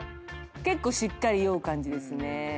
結構しっかり酔う感じですね。